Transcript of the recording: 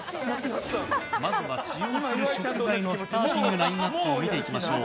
まずは使用する食材のスターティングラインアップを見ていきましょう。